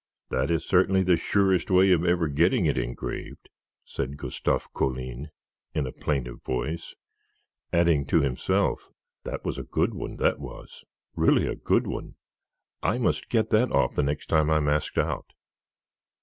"That is certainly the surest way of ever getting it engraved," said Gustave Colline, in a plaintive voice, adding to himself: "That was a good one, that was really a good one; I must get that off the next time I am asked out."